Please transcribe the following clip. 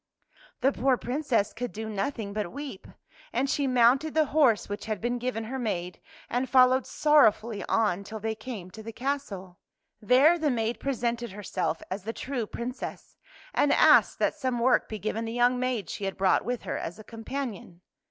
The poor Princess could do nothing but weep, and she mounted the horse which had been given her maid and followed sorrow fully on till they came to the castle. There the maid presented herself as the true Princess, and asked that some work be given the young maid she had brought with her as a companion.